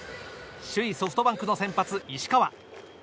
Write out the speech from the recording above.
首位ソフトバンクの先発、石川。